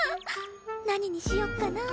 何にしよっかな。